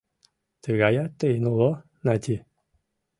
Тыгаят тыйын уло, Нати?